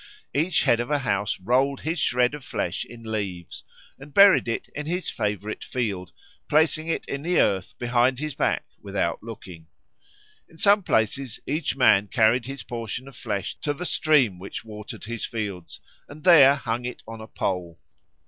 Each head of a house rolled his shred of flesh in leaves, and buried it in his favourite field, placing it in the earth behind his back without looking. In some places each man carried his portion of flesh to the stream which watered his fields, and there hung it on a pole.